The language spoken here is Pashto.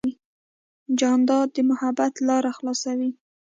جانداد د محبت لارې خلاصوي.